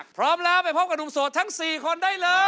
พร้อมแล้วไปพบกับหนุ่มโสดทั้ง๔คนได้เลย